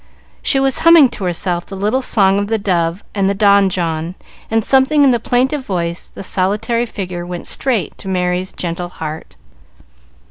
She was humming to herself the little song of the dove and the donjon, and something in the plaintive voice, the solitary figure, went straight to Merry's gentle heart.